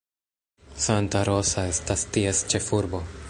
Santa Rosa estas ties ĉefurbo.